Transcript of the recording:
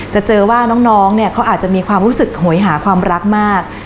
จะเจอว่าน้องเนี่ยเขาอาจจะมีความรู้สึกหวยหาความรักมาก